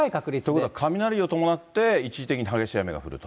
ということは雷を伴って、一時的に激しい雨が降ると。